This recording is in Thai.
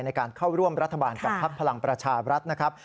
ในการเข้าร่วมรัฐบาลกับพักพลังประชาบรัฐนะครับ